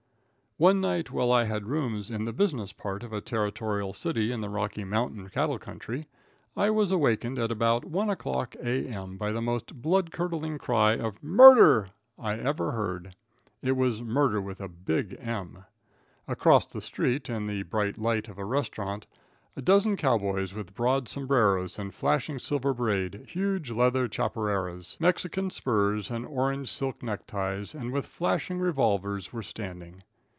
One night while I had rooms in the business part of a Territorial city in the Rocky Mountain cattle country, I was awakened at about one o'clock A. M. by the most blood curdling cry of "Murder" I ever heard. It was murder with a big "M." Across the street, in the bright light of a restaurant, a dozen cow boys with broad sombreros and flashing silver braid, huge leather chaperajas, Mexican spurs and orange silk neckties, and with flashing revolvers, were standing.